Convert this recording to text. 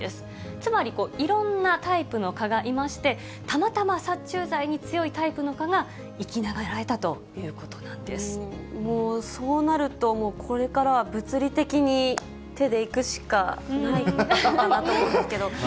つまりいろんなタイプの蚊がいまして、たまたま殺虫剤に強いタイプの蚊が生き長らえたということなんでもうそうなると、もうこれからは物理的に手でいくしかないのかなと思うんですけど。